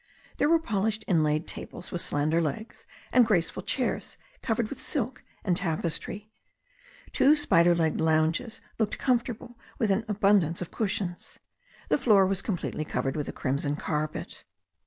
There were polished inlaid tables, with slender legs, and graceful chairs covered with silk and tapestry. Two spider legged lounges looked comfortable with an abundance of cushions. The floor was completely covered with a crimson carpet.